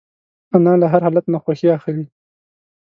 انا له هر حالت نه خوښي اخلي